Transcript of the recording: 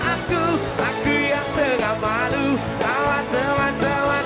aku dapatkan tak juga aku bantukan